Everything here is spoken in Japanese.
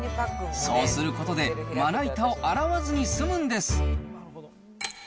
そうすることでまな板を洗わずに済むんです。